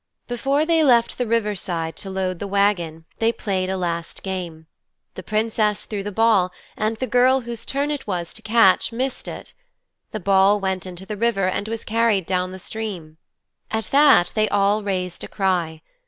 Before they left the river side to load the wagon they played a last game. The Princess threw the ball, and the girl whose turn it was to catch missed it. The ball went into the river and was carried down the stream. At that they all raised a cry.